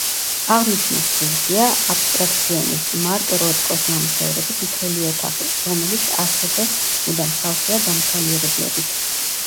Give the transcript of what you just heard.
აღნიშვნის ღირსია აბსტრაქციონისტ, მარკ როტკოს, ნამუშევრების მთელი ოთახი, რომელიც ასევე მუდამ სავსეა დამთვალიერებლებით.